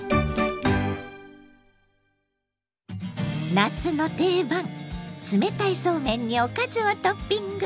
夏の定番冷たいそうめんにおかずをトッピング！